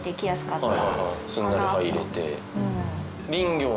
すんなり入れて。